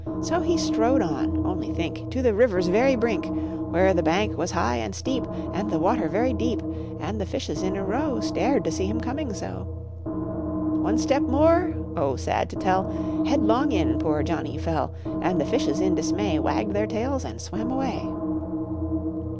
So he strode on, only think! To the river's very brink, Where the bank was high and steep, And the water very deep; And the fishes, in a row, Stared to see him coming so. One step more! oh! sad to tell! Headlong in poor Johnny fell. And the fishes, in dismay, Wagged their tails and swam away.